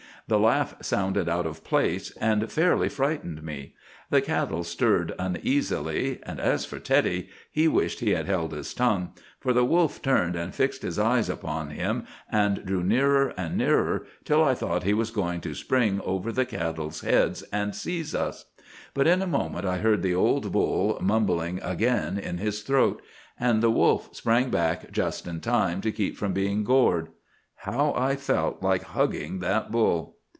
The laugh sounded out of place, and fairly frightened me. The cattle stirred uneasily; and as for Teddy, he wished he had held his tongue, for the wolf turned and fixed his eye upon him, and drew nearer and nearer, till I thought he was going to spring over the cattle's heads and seize us. But in a minute I heard the old bull mumbling again in his throat; and the wolf sprang back just in time to keep from being gored. How I felt like hugging that bull!